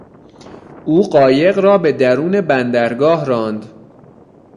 او قایق را به درون بندرگاه راند.